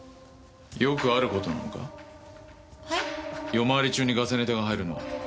夜回り中にガセネタが入るのは。